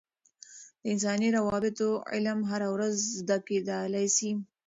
د انساني روابطو علم هره ورځ زده کیدلای سي.